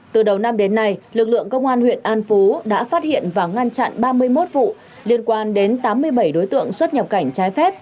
từ đầu năm đến nay lực lượng công an huyện an phú đã phát hiện và ngăn chặn ba mươi một vụ liên quan đến tám mươi bảy đối tượng xuất nhập cảnh trái phép